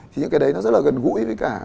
thì những cái đấy nó rất là gần gũi với cả